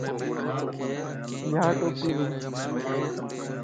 يا ٽوپي وج